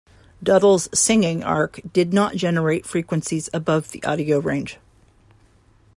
Duddell's "singing arc" did not generate frequencies above the audio range.